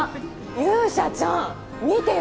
勇者ちゃん見てよ